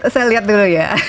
saya lihat dulu ya